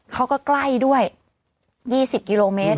ใกล้ด้วย๒๐กิโลเมตร